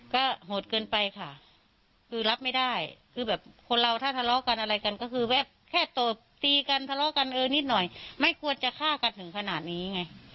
ก็โหดเกินไปค่ะคือรับไม่ได้คือแบบคนเราถ้าทะเลาะกันอะไรกันก็คือแบบแค่ตบตีกันทะเลาะกันเออนิดหน่อยไม่ควรจะฆ่ากันถึงขนาดนี้ไง